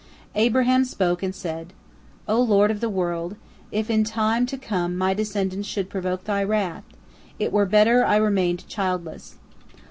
Abraham spoke, and said: "O Lord of the world, if in time to come my descendants should provoke Thy wrath, it were better I remained childless.